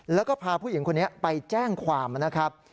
แล้วก็พาผู้หญิงคนนี้ไปแจ้งความนะครับ